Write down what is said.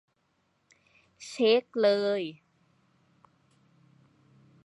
เช็กเลย